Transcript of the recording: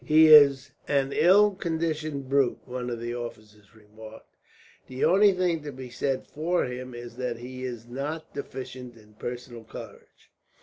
"He is an ill conditioned brute," one of the officers remarked. "The only thing to be said for him is that he is not deficient in personal courage.